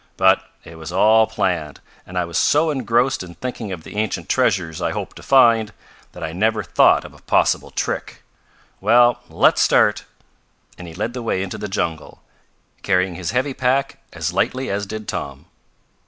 But it was all planned, and I was so engrossed in thinking of the ancient treasures I hope to find that I never thought of a possible trick. Well, let's start!" and he led the way into the jungle, carrying his heavy pack as lightly as did Tom.